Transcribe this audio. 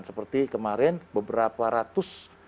seperti kemarin beberapa ratus